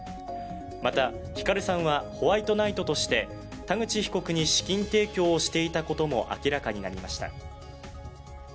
また、ヒカルさんはホワイトナイトとして田口被告に資金提供をしていたことも明らかになりました。